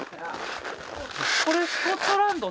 これスコットランドって？